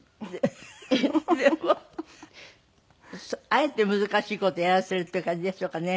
あえて難しい事やらせるって感じでしょうかね？